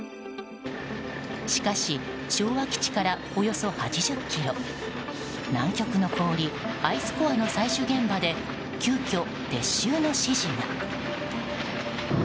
しかし、昭和基地からおよそ８０ｋｍ南極の氷、アイスコアの採取現場で急きょ撤収の指示が。